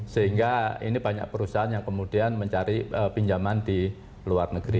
sehingga ini banyak perusahaan yang kemudian mencari pinjaman di luar negeri